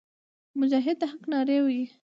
مجاهد د حق ناره وهي.